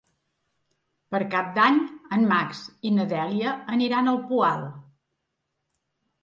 Per Cap d'Any en Max i na Dèlia aniran al Poal.